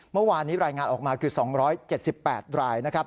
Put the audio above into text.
เมื่อวานนี้รายงานออกมาคือ๒๗๘รายนะครับ